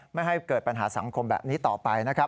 ไม่ให้เกิดปัญหาสังคมแบบนี้ต่อไปนะครับ